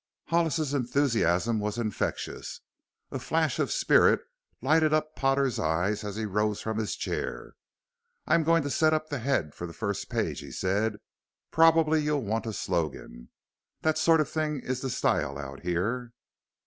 Hollis's enthusiasm was infectious; a flash of spirit lighted up Potter's eyes as he rose from his chair. "I'm going to set up the head for the first page," he said. "Probably you'll want a slogan; that sort of thing is the style out here."